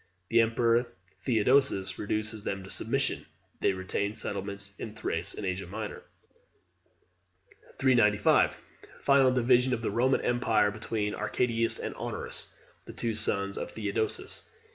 The emperor Theodosius reduces them to submission. They retain settlements in Thrace and Asia Minor. 395. Final division of the Roman empire between Arcadius and Honorius, the two sons of Theodosius.